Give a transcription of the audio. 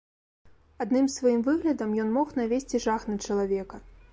Адным сваім выглядам ён мог навесці жах на чалавека.